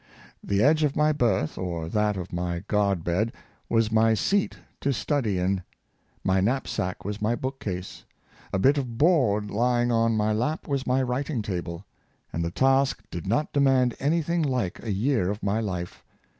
The edge of my berth, or that of my guard bed, was my seat to study in; my knap sack was my book case; a bit of board lying on my lap was my writing table; and the task did not demand any thing like a year of my life.